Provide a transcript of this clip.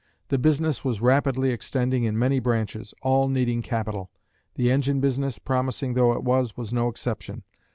The business was rapidly extending in many branches, all needing capital; the engine business, promising though it was, was no exception.